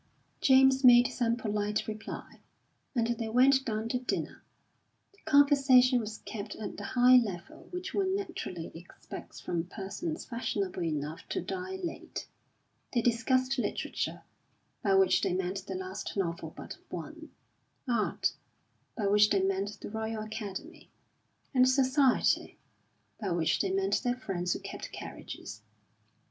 James made some polite reply, and they went down to dinner. The conversation was kept at the high level which one naturally expects from persons fashionable enough to dine late. They discussed Literature, by which they meant the last novel but one; Art, by which they meant the Royal Academy; and Society, by which they meant their friends who kept carriages.